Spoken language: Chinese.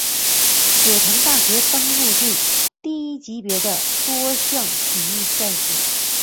雪城大学橙人队第一级别的多项体育赛事。